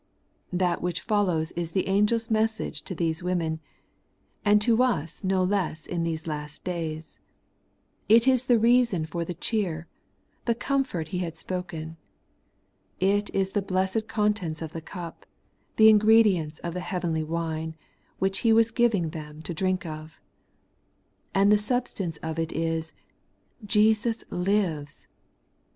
That which follows is the angel's message to these women ; and to us no less in these last days. It is the reason for the cheer, the comfort he had spoken. It is the blessed contents of the cup, the ingredients of the heavenly wine, which he was giving them to drink of. And the substance of it is, ' Jesus lives.